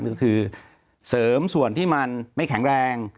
ก็คือเสริมส่วนที่มันไม่แข็งแรง